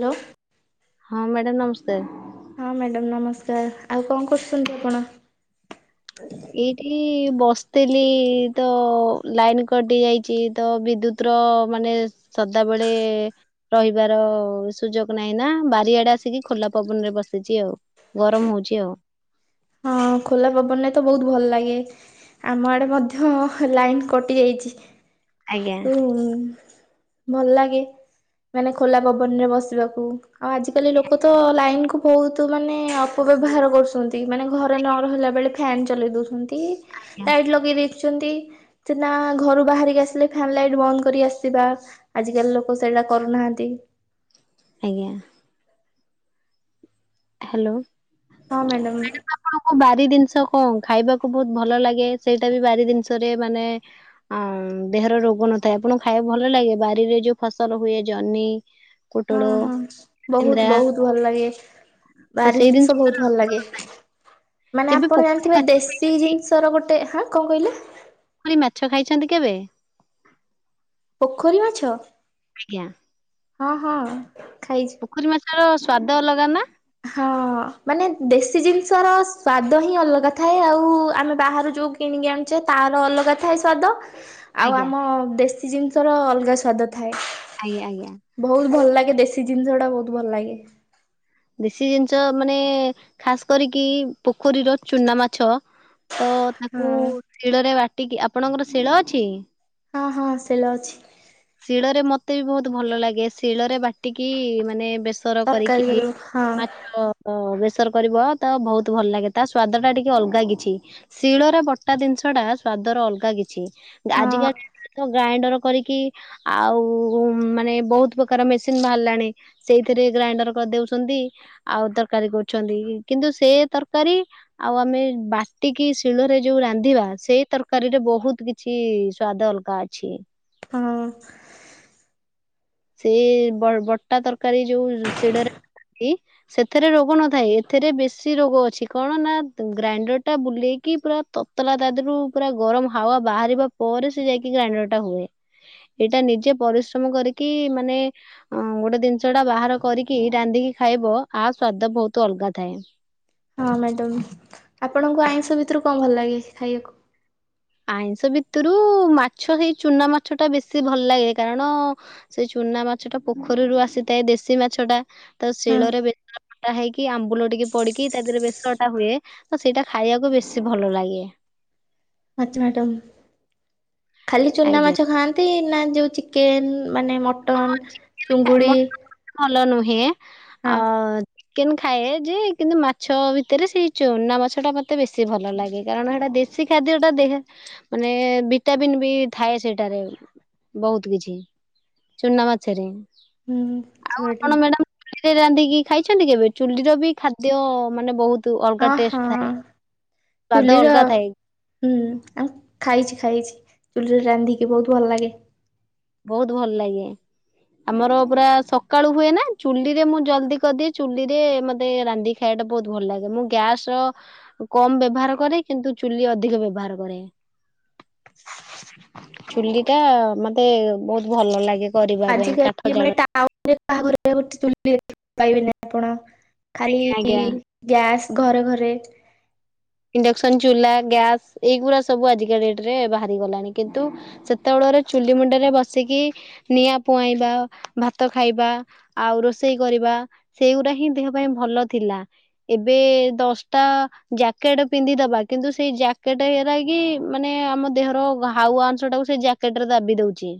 Hello ହଁ madam ନମସ୍କାର। ହଁ ମ୍ୟାଡ଼ାମ୍ ନମସ୍କାର, ଆଉ କଣ କରୁଛନ୍ତି ଆପଣ? ଏଇଠି ବସ୍ ତିଲି ତ ଲାଇନ୍ କଟି ଯାଇଚି, ତ ବିଦ୍ୟୁତ ର ମାନେ ସଦା ବଳେ ରହିବାର ସୁଯୋଗ ନାହିଁ ନା ବାରିଆଡେ ଆସିକି ଖୋଲା ପବନ ରେ ବସିଚି ଆଉ। ଗରମ ହଉଚି ଆଉ। ହଁ ଖୋଲା ପବନରେ ତ ବହୁତ ଭଲ ଲାଗେ। ଆମ ଆଡେ ମଧ୍ୟ ଲାଇନ୍ କଟି ଯାଇଚି। ଆଜ୍ଞା ତୁ ଭଲ ଲାଗେ। ମାନେ ଖୋଲା ପବନ ରେ ବସିବାକୁ। ଆଉ ଆଜିକାଲି ଲୋକ ତ ଲାଇନ୍ କୁ ବହୁତ ମାନେ ଅପ ବ୍ୟବହାର କରୁଛନ୍ତି। ମାନେ ଘରେ ନ ରହିଲା ବେଳେ ଫ୍ୟାନ୍ ଚଲେଇ ଦଉଛନ୍ତି। ଆଜ୍ଞା ଲାଇଟ୍ ଲଗେଇ ଦେଇ ଛନ୍ତି, ତ ନା ଘରୁ ବାହାରିକି ଆସିଲେ ଫ୍ୟାନ୍, ଲାଇଟ୍ ବନ୍ଦ କରି ଆସିବା। ଆଜି ଲୋକ ସେ ଟା କରୁନାହାନ୍ତି। ଆଜ୍ଞା। ହାଲୋ, ମ୍ୟାଡ଼ାମ, ଆପଣଙ୍କୁ ବାରି ଦିନିଷ ତ କଣ ଖାଇବାକୁ ବହୁତ ଭଲ ଲାଗେ ସେଇଟା ବି ବାରି ଦିନିଷରେ ମାନେ ଅଁ, ଦେହର ରୋ ଗ ନଥାଏ ଆପଣଙ୍କୁ ଖାଇବାକୁ ଭଲ ଲାଗେ? ବାରିରେ ଯୋଉ ଫସଲ ହୁଏ ଜହ୍ନି ହଁ, ପୋଟଳ, ହଁ ସିନ୍ଦ୍ରା ବହୁତ ବହୁତ ଭଲ ଲାଗେ। ତ ବାରି ସେଇ ଜିନିଷ ବହୁତ ଭଲ ଲାଗେ। ମାନେ କେବେ ଆପଣ ପୋଖରୀ ଜାଣିଥିବେ ମାଛ ଖାଇଛନ୍ତି? ଦେଶୀ ଜିନିଷ ର ଗୋଟେ, ହଁ କଣ କହିଲେ? ପୋଖରୀ ମାଛ ଖାଇଛନ୍ତି କେବେ? ପୋଖରୀ ମାଛ? ଆଜ୍ଞା। ହଁ ହଁ। ଖାଇଛି। ପୋଖରୀ ମାଛର ସ୍ଵାଦ ଅଲଗା ନା? ହଁ ମାନେ ଦେଶୀ ଜିନିଷର ସ୍ଵାଦ ହିଁ ଅଲଗା ଥାଏ ଆଉ ଆମେ ବାହାରୁ ଯଉ କିଣିକି ଆଣୁଛେ ତାର ଅଲଗା ଥାଏ ସ୍ଵାଦ। ଆଉ ଆଜ୍ଞା ଆମ ଦେଶୀ ଜିନିଷ ର ଅଲଗା ସ୍ଵାଦ ଥାଏ, ଆଜ୍ଞା ଆଜ୍ଞା ବହୁତ ଭଲ ଲାଗେ ଦେଶୀ ଜିନିଷ ଟା ବହୁତ ଭଲ ଲାଗେ। ସେ ଜିନିଷ ମାନେ ଖାସ କରିକି ପୋଖରୀର ଚୁନା ମାଛ। ତ ତାକୁ ହଁ ଶିଳରେ ବାଟିକି, ଆପଣଙ୍କର ଶିଳ ଅଛି? ହଁ ହଁ ଶିଳ ଅଛି। ଶିଳରେ ମତେ ବି ବହୁତ ଭଲ ଲାଗେ ଶିଳରେ ବାଟିକି ମାନେ ବେ ବେସର ତରକାରୀ କର କରିକି ହଁ ମାଛ ଅ ବେ ସର କରିବ ତ ବହୁତ ଭଲ ଲାଗେ ତା ସ୍ଵାଦ ଟା ଟିକେ ଅଲଗା କିଛି ଶିଳର ବଟା ଜିନିଷ ଟା ସ୍ୱା ଦର ଅଲଗା କିଛି ହଁ ଆଜିକାଲି ଗ୍ରାଇଣ୍ଡର କରିକି ଆଉ ମାନେ ବହୁତ ପ୍ରକାର ମେସିନ ବାହାରିଲାଣି ସେଇଥିରେ ଗ୍ରାଇଣ୍ଡର କରିଦଉଛନ୍ତି। ଆଉ ତରକାରୀ କରୁଛନ୍ତି କିନ୍ତୁ ସେ ତରକାରୀ ଆଉ ଆମେ ବାଟିକି ଶି ଶିଳ ରେ ଯୋଉ ରାନ୍ଧିବା ସେଇ ତରକାରୀରେ ବହୁତ କିଛି ସ୍ଵାଦ ଅଲଗା ଅଛି। ହଁ। ସେ ବ ବଟା ତରକାରୀ ଯୋଉ ଶିଡରେ କି ସେଥିରେ ରୋଗ ନଥାଏ ଏଥିରେ ବେଶୀ ରୋଗ ଅଛି କଣ ନା ଗ୍ରାଇଣ୍ଡର ଟା ବୁଲେଇ କି ପୁରା ତତଲା ତାଦହରୁ ପୁରା ଗରମ ହାୱା ବାହାରିବା ପରେ ସେ ଯାଇକି ଗ୍ରାଇଣ୍ଡର ଟା ହୁଏ। ଏଇଟା ନିଜେ ପରିଶ୍ରମ କରି କି ମାନେ ଅ ଗୋଟେ ଜିନିଷ ଟା ବାହାର କରିକି ରାନ୍ଧିକି ଖାଇବ ଆ ସ୍ଵାଦ ବହୁତ ଅଲ ଗାଥାଏ। ହଁ ମ୍ୟାଡାମ ଆପଣଙ୍କୁ ଆଇଁଷ ଭିତରୁ କଣ ଭଲ ଲାଗେ ଖାଇବାକୁ? ଆଇଁଷ ଭିତରୁ ମାଛ ସେଇ ଚୁନା ମାଛ ଟା ବେଶୀ ଭଲ ଲାଗେ କାରଣ ସେ ଚୁ ଚୁନା ମାଛ ଟା ପୋଖରୀରୁ ଆସିଥାଏ ଦେଶୀ ମାଛ ଟା ତ ହଁ ଶିଳରେ ବେସର ବଟା ହେଇକି ଆମ୍ବୁଲ ଟିକେ ପଡିକି ତା ଦେହରେ ବେଶଟା ହୁଏ ତ ସେଇଟା ଖାଇବାକୁ ବେଶୀ ଭଲ ଲାଗେ। ଆଚଛା ମ୍ୟାଡ଼ ଖାଲି ଚୁନା ଆଜ୍ଞା। ମାଛ ଖାଆନ୍ତି ନା ଯୋଉ ଚିକେନ ମାନେ ହଁ, ମଟନ, ଚୁଙ୍ଗୁଡି? ହେ ହଁ ଅ। ଚିକେନ ଖାଏ ଯେ କିନ୍ତୁ ମାଛ ଭିତରେ ସେଇ ଚୁନା ମାଛ ଟା ମତେ ବେଶୀ ଭଲ ଲାଗେ କାରଣ ହେଇଟା ଦେଶୀ ଖାଦ୍ୟ ଟା ଦେହ ମାନେ ଭିଟାମିିନ ବି ଥାଏ ସେଇଟାରେ। ବହୁତ କିଛି ଚୁନା ମାଛରେ। ହୁଁ ଚୁଟ। ରେ ରାନ୍ଧିକି ଖାଇଛନ୍ତି କେବେ? ଚୁଲିର ବି ଖାଦ୍ୟ ମାନେ ବହୁତ ଅଲଗା ହଁ ଟେଷ୍ଟ ହଁ ଥାଏ। ସ୍ଵାଦ ଚୁଲିର ଅଲଗା ଥାଏ ହୁଁ ଆମ ଖାଇଛି। ଖାଇଛି ଚୁଲିରେ ରାନ୍ଧିକି ବହୁତ ଭଲ ଲାଗେ। ବହୁତ ଭଲ ଲାଗେ। ଆମର ପୁରା ସକାଳୁ ହୁଏ ନା ଚୁଲିରେ ମୁଁ ଜଲଦି କରିଦିଏ ଚୁଲିରେ ମତେ ରାନ୍ଧି ଖାଇବା ଟା ବହୁତ ଭଲ ଲାଗେ ମୁଁ ଗ୍ୟାସ ର କମ ବ୍ୟବହାର କରେ କିନ୍ତୁ ଚୁଲି ଅଧିକ ବ୍ୟବହାର କରେ। ଚୁଲି ଟା ମତେ ବହୁତ ଭଲ ଲାଗେ। କରିବା ପାଇଁ କାଠ ଆଜିିକାଲି ଜାଳ ମାନେ ଟାଉ ହାଘ ଗୋଟେ ଚୁଲିପାଇବେନି ଆପଣ ଖାଲି ଆଜ୍ଞା। ଗ୍ୟାସ୍ ଘରେ ଘରେ। ଇଣ୍ଡକସନ ଚୁଲା, ଗ୍ୟାସ ଏଇଗୁଡା ସବୁ ଆଜି କାଲିକା ଡେଟ୍ରେ ବାହାରିଲାଣି କିନ୍ତୁ ସେତବେଳର ଚୁ ଲି ମୁଣ୍ଡରେ ବସିକି ନିଆଁ ପୁଆଇଁବା, ଭାତ ଖାଇବା ଆଉ ରୋଷେଇ କରିବା। ସେଗୁଡା ହିଁ ଦେହ ପାଇଁ ଭଲ ଥିଲା। ଏବେ ଦଶଟା ଯା ଜକେଟ ପିନ୍ଧିଦବା କିନ୍ତୁ ସେଇ ଜ୍ୟାକେଟ ହେରା କି ମାନେ ଆମ ଦେହର ହାଉଆ ଅଂଶ ଟାକୁ ସେ ଦାବି ଦଉଛି।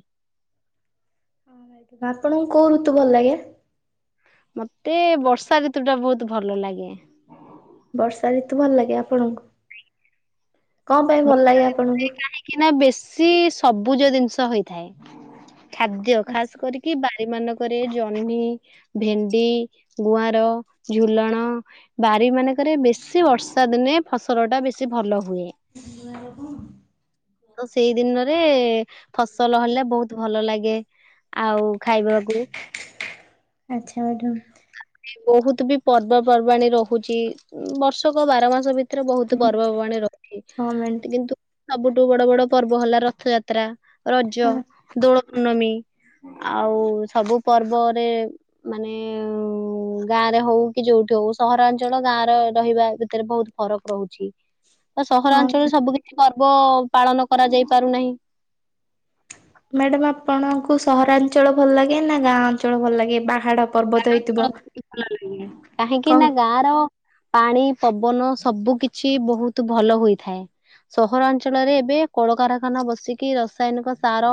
ହଁ ଭାଇ ଆପଣଙ୍କୁ କୋଉ ଋତୁ ଭଲ ଲାଗେ। ମତେ ବର୍ଷା ଋତୁ ଟା ବହୁତ ଭଲ ଲାଗେ। ବର୍ଷା ଋତୁ ଭଲ ଲାଗେ ଆପଣଙ୍କୁ କଣ ପାଇଁ ଭଲ ଲାଗେ ଆପଣଙ୍କୁ। କାହିଁକି ନା ବେଶୀ ସବୁଜ ଜିନିଷ ହେଇଥାଏ। ଖାଦ୍ୟ ଆଚ୍ଛା ଖାସ କରିକି ବାରି ମାନଙ୍କ ରେ ଜହ୍ନି, ଭେଣ୍ଡି, ଗୁଆର ଝୁଲଣ ବାରି ମାନେ ରେ ବେଶୀ ବର୍ଷା ଦିନେ ଫସଲ ଟା ବେଶୀ ଭଲ ହୁଏ। ନ ରକ [unintelligible] ତ ସେଇ ଦିନରେ ଫସଲ ହେଲେ ବହୁତ ଭଲ ଲାଗେ। ଆଉ ଖାଇବାକୁ ଆଚ୍ଛା ମ୍ୟାଡାାମ। ବହୁତ ବି ପର୍ବପର୍ବାଣିୀ ରହୁଛି, ବର୍ଷକ ବାର ମାସ ଭିତ ଏଥିରେ ବହୁତ ପର୍ବପର୍ବାଣିୀ ରଛି ହଁ ମ୍ୟାଡ଼ାମ କିନ୍ତୁ ସବୁଠୁ ବଡ ବଡ ପର୍ବ ହେଲା ରଥଯାତ୍ରା, ରଜ, ଦୋଳ ପୂର୍ଣ୍ଣମୀ ଆଉ ସବୁ ପର୍ବରେ ମାନେ ଗାଁ ରେ ହଉ କି ଯୋଉଠି ହଉ ସହରାଞ୍ଚଳ ଗାଁ ରହିବା ଭିତରେ ବହୁତ ଫରକ ରହୁଛି। ତ ହଁ ସହରାଞ୍ଚଳରେ ସବୁ କିଛି ପର୍ବ ପାଳନ କରାଯାଇ ପାରୁନାହିଁ ମ୍ୟାଡାମ ଆପଣଙ୍କୁ ସହରାଞ୍ଚଳ ଭଲ ଲାଗେ ନା ଗାଁ ଅଞ୍ଚଳ ଭଲ ଲାଗେ ବା ଗାଁ ଅନ୍ଚଳ ଭଲ ଲାଗେ, କାହିଁକି ନା କଣ ଗାଁ ର ପାଣି ପବନ ସବୁ କିଛି ବହୁତ ଭଲ ହୋଇଥାଏ। ସହରାଞ୍ଚଳରେ ଏବେ କଳକାରଖାନା ବସିକି, ରାସାୟନିକ ସାର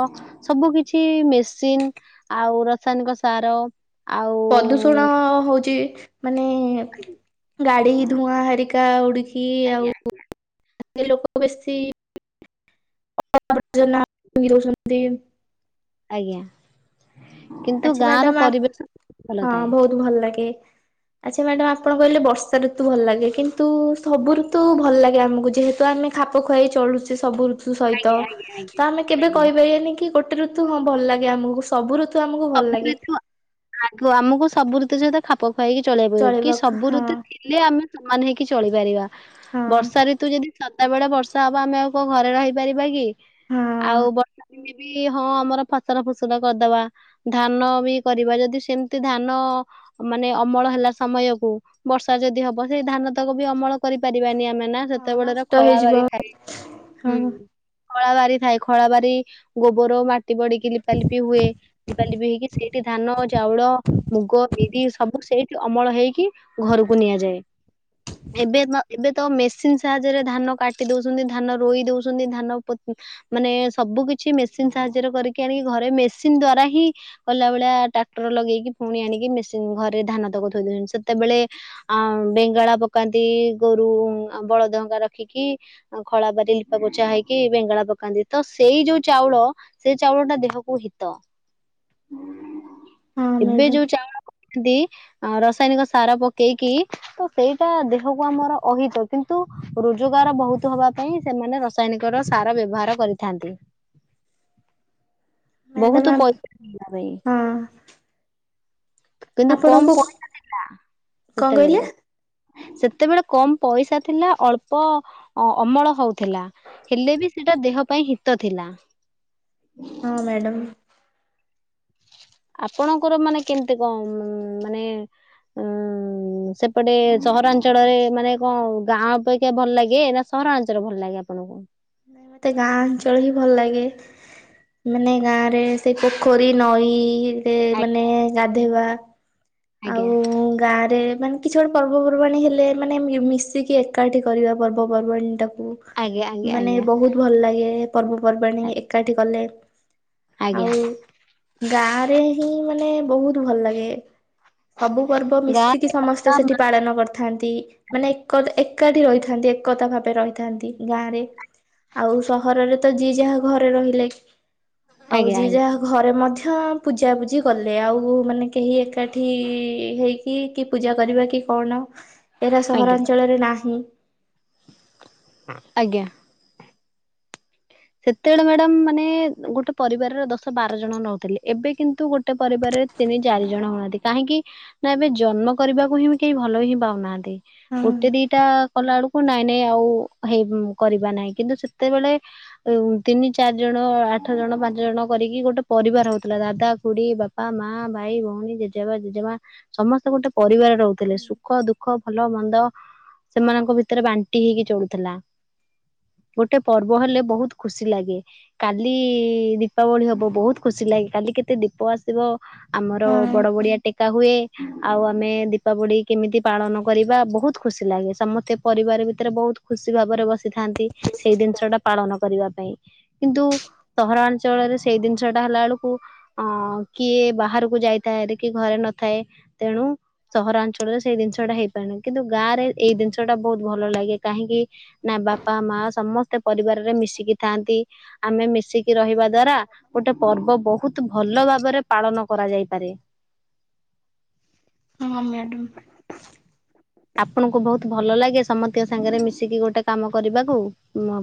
ସବୁ କିଛି ବେସିନ ଆଉ ରାସାୟନିକ ସାର ଆଉ ପ୍ରଦୂଷଣ ହଉଛି, ମାନେ ଗାଡି ଧୂଆଁ ହେରି କା ଉଡିକି ଆଜ୍ଞା ଆଉ ଲୋକ ବେଶୀ ର ଦେଇ [unintelligible] ଆଜ୍ଞା କିନ୍ତୁ ଆଚ୍ଛା ଗାଁ ର ମ୍ୟାଡାମ ପରିବେଶ ଭଲ ହଁ ଥାଏ। ବହୁତ ଭଲ ଲାଗେ ଆଚ୍ଛା ମ୍ୟାଡାାମ ଆପଣ କହିଲେ ବର୍ଷା ଋତୁ ଭଲ ଲାଗେ, କିନ୍ତୁ ସବୁ ଋତୁ ଭଲ ଲାଗେ ଆମକୁ ଯେହେତୁ ଆମେ ଖାପ ଖୁଆଇ ଚଳୁଛେ ସବୁ ସବୁ [unintelligible] ସହିତ ଆଜ୍ଞା ଆଜ୍ଞା ଆଜ୍ଞା ଆମେ କେବେ ଆଜ୍ଞା। କହିପାରିବାନି କି ଗୋଟେ ଋତୁ ହଁ ଭଲ ଲାଗେ ଆମକୁ ସବୁ ଋତୁ ଆମକୁ ଭଲ ସବୁ ଲାଗେ ଋତୁ ଆଗ ଆମକୁ ସବୁ ଋତୁ ସହିତ ଖାପ ଇକି ଚଳେଇବା ପ କି ଚଳିବାକୁ ସବୁ ହଁ ଋତୁ ଥିଲେ ଆମେ ସମାନ ହେଇକି ଚଳିପାରିବା। ହଁ ବର୍ଷା ଋତୁ ଯଦି ସଦାବେେଳେ ବର୍ଷା ହବା ଆମେ ଆଉ କଣ ଘରେ ରହିପାରିବା କି? ହଁ ଆଉ ବର୍ଷା ଦିନେ ବି ହଁ ଆମର ଫସଲ ଫୁସଲ କରିଦବା। ଧାନ ବି କରିବା ଯଦି ସେମିତି ଧାନ ମାନେ ଅମଳ ହେଲା, ସମୟକୁ ବର୍ଷା ଯଦି ହବ ସେଇ ଧାନ ତକ ବି ଅମଳ କରିପାରିବ। ବାନି ଆମେ ନା ହଁ ସେତେବେଳେର ନଷ୍ଟ ଖଳା ହେଇଯିବ ବାରି ଥାଏ ହଁ ହୁଁ ଖଳା ବାରି ଥାଏ ଖଳା ବାରି ଗୋବର ମାଟି ବଡିକି ଲିପାଲିପି ହୁଏ। ଲିପା ଲିପି ହେଇକି ସେଇଠି ଧାନ, ଚାଉଳ, ମୁଗ, ବିରି ସବୁ ସେଇଠି ଅମଳ ହେଇକି ଘରକୁ ନିଆଯାଏ ଏବେ ତ ଏବେ ତ ମେସିନ ସାହାଯ୍ୟରେ ଧାନ କାଟି ଦଉଛନ୍ତି ଧାନ ରୋଇ ଦଉଛନ୍ତି ଧାନ ମାନେ ସବୁ କିଛି ମେସିନ ସାହାଯ୍ୟରେ କରିକି ଆଣିକି ଘରେ ମେସିନ ଦ୍ଵାରା ହିଁ ଗଲା ଭଳିଆ ଟ୍ରାକ୍ଟର ଲଗେଇକି ପୁଣି ଆଣିକି ମେସିନ ଘରେ ଧାନ ତକ ଥୋଇଦେଉଛନ୍ତି ସେତେବେଳେ ଆ ବେଙ୍ଗଳା ପକାନ୍ତି ଗୋରୁ ବଳଦଙ୍କା ରଖିକି ଖଳା ବାରି ବା ପୋଛା ହେଇକି ବେଙ୍ଗଳା ପକାନ୍ତି ତ ସେଇ ଯୋଉ ଚାଉଳ ସେଇ ଚାଉଳ ଟା ଦେହକୁ ହିତ। ହଁ ଏବେ ମ୍ୟାଡ଼ାମ ଯୋଉ ଚାଉଳ ଦି ରସାୟନିକ ସାର ପକେଇକି ତ ସେଇଟା ଦେହକୁ ଆମର ଅହିତ କିନ୍ତୁ ରୋଜଗାର ବହୁତ ହବା ପାଇଁ ସେମାନେ ରସାୟନିକ ର ସାର ବ୍ୟବହାର କରିଥାନ୍ତି। ମ୍ୟାଡ଼ାମ ବହୁତ ପଇସା ପାଇଁ ହଁ କିନ୍ତୁ କମ ଆପଣଙ୍କୁ ପଇସା ଥିଲା କଣ ସେତେବେଳେ କହିଲେ ସେତେବେଳେ କମ୍ ପଇସା ଥିଲା ଅଳ୍ପ ଅମଳ ହଉଥିଲା ହେଲେ ବି ସେଟା ଦେହ ପାଇଁ ହିତ ଥିଲା। ହଁ ମ୍ୟାଡାମ୍? ଆପଣଙ୍କର ମାନେ କେମତି କଣ ଉଁ ମାନେ ଉଁ ସେପଟେ ସହରାଞ୍ଚଳରେ ମାନେ କଣ ଗାଁ ଅପେକ୍ଷା ଭଲ ଲାଗେ ନା ସ ସହରାଞ୍ଚଳ ଭଲ ଲାଗେ ଆପଣଙ୍କୁ? ମତେ ଗାଁ ଅଞ୍ଚଳ ହିଁ ଭଲ ଲାଗେ। ମାନେ ଗାଁ ରେ ସେ ପୋଖରୀ ନଈ ସେ ମାନେ ଗାଧୋଇବା ଆଜ୍ଞା ଆଉ ଗାଁରେ ମାନେ କିଛି ଗୋଟେ ପର୍ବପର୍ବାଣୀ ହେଲେ ମାନେ ମିଶିକି ଏକାଠି କରିବା ପର୍ବପର୍ବାଣୀ ଟାକୁ‌ ଆଜ୍ଞା ଆଜ୍ଞା ମାନେ ଆଜ୍ଞା ବହୁତ ଭଲ ଲାଗେ ପର୍ବପର୍ବାଣୀ ଏକାଠି କଲେ ଆଜ୍ଞା ଆଉ ଗାଁ ରେ ହିଁ ମାନେ ବହୁତ ଭଲ ଲାଗେ। ସବୁ ପର୍ବ ଗାଁ ମିଶିକି ସମସ୍ତେ ସେଠି ପାଳନ କରିଥାନ୍ତି। ମାନେ ଏକତା ଏକ ଏକାଠି ରହିଥାନ୍ତି ଏକତା ଭାରେ ରହିଥାନ୍ତି ଗାଁ ରେ। ଆଉ ସହରରେ ତ ଯିଏ ଯାହା ଘରେ ରହିଲେ ଆଉ ଆଜ୍ଞା ଆଜ୍ଞା ଯିଏ ଯାହା ଘରେ ମଧ୍ୟ ପୂଜାପୁଜିି କଲେ ଆଉ ମାନେ କେହି ଏକାଠି ଏଠି ହେଇକି କି ପୂଜା କରିବା କି କଣ ଏରା ଆଜ୍ଞା ସହରାଞ୍ଚଳରେ ନାହିଁ। ଆଜ୍ଞା। ସେତେବେଳେ ମ୍ୟାଡାମ ମାନେ ଗୋଟେ ପରିବାରର ଦଶ ବାର ଜଣ ରହୁଥିଲେ। ଏବେ କିନ୍ତୁ ଗୋଟେ ପରିବାରରେ ତିନି ଚାରି ଜଣ ହୁଅନ୍ତି। କାହିଁକି ନା ଏବେ ଜନ୍ମ କରିବାକୁ ହିଁ କେହି ଭଲ ହିଁ ପାଉନାହାନ୍ତି। ହଁ ଗୋଟେ ଦିଇଟା କଲାବେଳକୁ ନାଇଁ ନାଇଁ ଆଉ ହେଇ କରିବା ନାଇଁ କିନ୍ତୁ ସେତେବେଳେ ତିନି ଚାରି ଜଣ ଆଠ ଜଣ ପାଞ୍ଚ ଜଣ କରିକି ଗୋଟେ ପରିବାର ହଉଥିଲା ଦାଦା ଖୁଡି ବାପା ମା। ମା ଭାଇ ଭଉଣୀ ଜେଜେବା ଜେଜେମା ସମସ୍ତେ ଗୋଟେ ପରିବାର ରହୁଥିଲେ ସୁଖ ଦୁଃଖ ଦୁଃଖ ଭଲ ମନ୍ଦ ସେମାନଙ୍କ ଭିତରେ ବାଣ୍ଟି ହେଇକି ଚଳୁଥିଲା। ଗୋଟେ ପର୍ବ ହେଲେ ବହୁତ ଖୁସି ଲାଗେ କାଲି ଦୀପାବଳି ହବ ବହୁତ ଖୁସି ଲାଗେ କାଲି କେତେ ଦୀପ ଆସିବ। ଆମର ହଁ ବଡ ବଡିଆ ଟେକା ହୁଏ। ଆଉ ଆମେ ଦୀପାବଳି କେମିତି ପାଳନ କରିବା ବହୁତ ଖୁସି ଲାଗେ ସମସ୍ତେ ପରିବାର ଭିତରେ ବହୁତ ବହୁତ ଖୁସି ଭାବରେ ବସିଥାନ୍ତି ସେଇ ଜିନିଷଟା ପାଳନ କରିବା। କିନ୍ତୁ ସହରାଞ୍ଚଳରେ ସେଇ ଜିନିଷ ଟା ହେଲା ବେଳକୁ ଅଁ କିଏ ବା ବାହାରକୁ ଯାଇଥାଏ କି ଘରେ ନଥାଏ ତେଣୁ ସହରାଞ୍ଚଳରେ ସେଇ ଜିନିଷଟା ହେଇପାରୁନାହିି କିନ୍ତୁ ଗାଁରେ ଏଇ ଜିନିଷ ସେଟା ବହୁତ ଭଲ ଲାଗେ କାହିଁକି ନା ବାପା ମା ସମସ୍ତେ ପରିବାରରେ ମିଶିକି ଥାନ୍ତି ଆମେ ମିଶିକି ରହିବା ଦ୍ଵାରା ଗୋଟେ ପର୍ବ ବହୁତ ଭଲ ଭାବରେ ପାଳନ କର ଯାଇପାରେ। [inaudible] ହଁ ମ୍ୟାଡାମ୍ ଆପଣଙ୍କୁ ବହୁତ ଭଲ ଲାଗେ ସମସ୍ତଙ୍କ ସାଙ୍ଗରେ ମିଶିକି ଗୋଟେ କାମ କରିବାକୁ ମ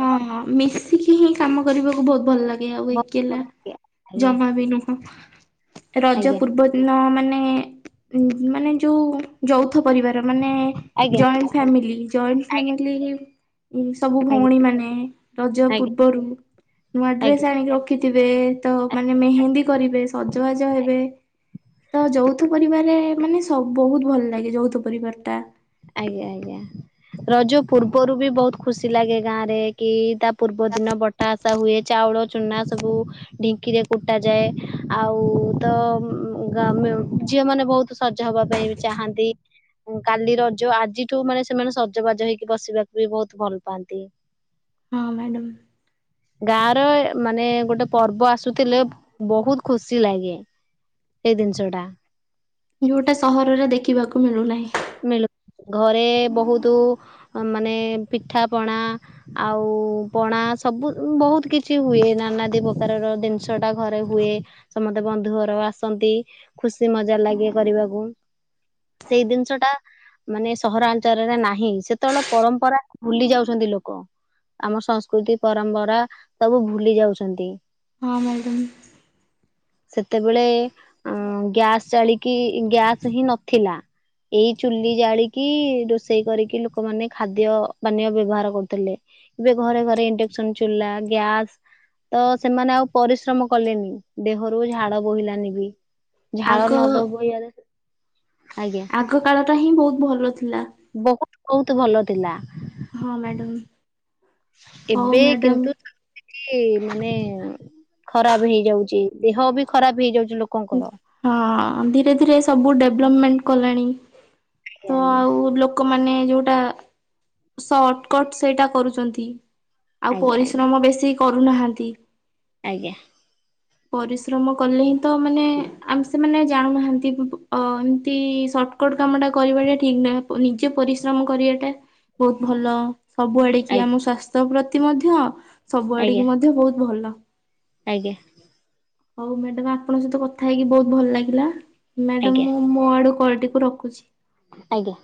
ହଁ ହଁ ମିଶିକି ହିଁ କାମ କରିବାକୁ ବହୁତ ଭଲ ଲାଗେ ଆଉ ଏକେଲା ଆଜ୍ଞା ଜମାଵି ନୁହୁଁ। ରଜ ଆଜ୍ଞା ପୂର୍ବ ଦିନ ମାନେ ମାନେ ଯୋଉ ଯୌଥ ପରିବାର ମାନେ ଆଜ୍ଞା ଜଏଣ୍ଟ ଫ୍ୟାମିଲି ଜଏଣ୍ଟ ଫ୍ୟା ଆଜ୍ଞା ମିଲି। ସବୁ ଆଜ୍ଞା ଭଉଣୀ ମାନେ ରଜ ଆଜ୍ଞା ପୂର୍ବରୁ ନୂଆ ଆଜ୍ଞା ଡ୍ରେସ ଆଜ୍ଞା ଆଣିକି ରଖିଥିବେ ତ ମାନେ ମେହେନ୍ଦୀ କରିବେ ସଜବାଜ ହେବେ। ତ ଯୌଥ ପରିବାରରେ ମାନେ ସବ ବହୁତ ଭଲ ଲାଗେ ଯୌଥ ପରିବାର ଟା। ଆଜ୍ଞା ଆଜ୍ଞା ରଜ ପୂର୍ବରୁ ବି ବହୁତ ଖୁସି ଲାଗେ ଗାଁ ରେ କି ତା ପୂର୍ବ ଦିନ ବଟା ବଟା ହୁଏ ଚାଉଳ ଚୁନା ସବୁ ଢିଙ୍କିରେ କୁଟାଯାଏ ଆଉ ତ ଉଁ ଗାଁ ମ୍ୟୁଟ ଝିଅ ମାନେ ବହୁତ ସଜ ହବା ପାଇଁ ଚାହାନ୍ତି। କାଲି ର ଯୋଉ ଆଜିଠୁ ମାନେ ସେମାନେ ସଜବାଜ ହେଇକି ବସିବାକୁ ବି ବହୁତ ଭଲ ପାଆନ୍ତି। ହଁ ମ୍ୟାଡ଼ାମ୍। ଗାଁ ର ମାନେ ଗୋଟେ ପର୍ବ ଆସୁଥିଲେ ବହୁତ ଖୁସି ଲାଗେ। ଏଇ ଦିନଷଟା। ଯୋଉଟା ସହରରେ ଦେଖିବାକୁ ମିଳୁନାହିଁ। ମିଳୁ ଘରେ ବହୁତ ମାନେ ପିଠା ପଣା ଆଉ ପଣା ସବୁ ବହୁତ କିଛି ହୁଏ। ନାନାଦି ପ୍ରକାରର ଜିନିଷ ଟା ଘରେ ହୁଏ। ସମତେ ବନ୍ଧୁଘର ଆସନ୍ତି ଖୁସି ମଜା ଲାଗେ କରିବାକୁ। ସେଇ ଜିନିଷ ଟା ମାନେ ସହରାଞ୍ଚଳରେ ନାହିଁ ସେତେବେଳେ ପରମ୍ପରା ଭୁଲି ଯାଉଛନ୍ତି ଲୋକ। ଆମ ସଂସ୍କୃତି ପରମ୍ପରା ସବୁ ଭୁଲି ଯାଉଚନ୍ତି। ହଁ ମ୍ୟାଡ଼ାମ୍। ସେତେବେଳେ ଅ ଗ୍ୟାସ୍ ଜାଳି କି ଗ୍ୟାସ ହିଁ ନଥିଲା। ଏଇ ଚୁଲି ଜାଳିକି ରୋଷେଇ କରିକି ଲୋକମାନେ ଖାଦ୍ୟ ପାନୀୟ ବ୍ୟବହାର କରୁଥିଲେ। ଏବେ ଘରେ ଘରେ ଇଣ୍ଡକ୍ସନ ଚୁଲା ଗ୍ୟାସ ତ ସେମାନେ ଆଉ ପରିଶ୍ରମ କଲେନି ଦେହରୁ ଝାଡ ବୋହିଲାନି ବି। ଆଗ ଝାଳ ନଦବ ବୋଇଆରେ ଆଜ୍ଞା। ସକାଳ ଟା ହିଁ ବହୁତ ଭଲ ଥିଲା। ବହୁତ ବହୁତ ଭଲ ଥିଲା। ହଁ ମ୍ୟାଡ଼ମ୍ ହଉ ମ୍ୟାଡମ। କି ମାନେ ଖରାପ ହେଇଯାଉଚି। ଦେହ ବି ଖରାପ ହେଇଯାଉ ହଁ ଧୀରେ ଧୀରେ ସବୁ ଡେଭଲପମେଣ୍ଟ କଲାଣି। ତ ଆଜ୍ଞା ଆଉ ଲୋକମାନେ ଯୋଉଟା ସର୍ଟକଟ ସେଇଟା କରୁଚନ୍ତି। ଆଉ ଆଜ୍ଞା ଆଜ୍ଞା ପରିଶ୍ରମ ବେଶୀ କରୁନାହାନ୍ତି? ଆଜ୍ଞା। ପରିଶ୍ରମ କଲେ ହିଁ ତ ମାନେ ଆମେ ସେମାନେ ଜାଣୁନାହାନ୍ତି। ଅ ଏମତି ସର୍ଟକଟ କାମ ଟା କରିବାଟା ଠିକ ନାହିଁ ନିଜେ ପରିଶ୍ରମ କରିବାଟା ବହୁତ ଭଲ ସବୁଆଡିକି ଆଜ୍ଞା ଆମ ସ୍ୱାସ୍ଥ୍ୟ ପ୍ରତି ମଧ୍ୟ ଆଜ୍ଞା ଆଜ୍ଞା ସବୁଆଡିକି ମଧ୍ୟ ବହୁତ ଭଲ। ଆଜ୍ଞା। ହଉ ମ୍ୟାଡାମ ଆପଣଙ୍କ ସହିତ କଥା ହେଇକି ବହୁତ ଭଲ ଲାଗିଲା। ମ୍ୟାଡାମ ଆଜ୍ଞା। ମୁଁ ମୋ ଆଡୁ କଲ ଏକୁ ରଖୁଛି। ଆଜ୍ଞା।